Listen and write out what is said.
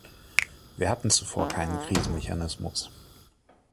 Wir hatten zuvor keinen Krisenmechanismus.